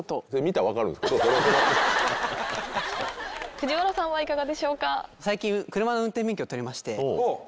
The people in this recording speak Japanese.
藤原さんはいかがでしょうか？